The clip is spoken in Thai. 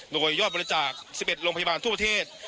โดยยอดบริจาค๑๑โรงพยาบาลทั่วประเทศ